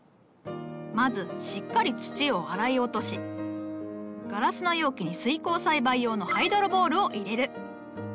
まずしっかり土を洗い落としガラスの容器に水耕栽培用のハイドロボールを入れる。